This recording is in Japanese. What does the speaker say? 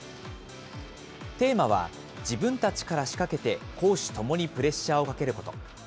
テーマは、自分たちから仕掛けて攻守ともにプレッシャーをかけること。